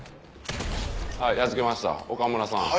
はいやっつけました岡村さん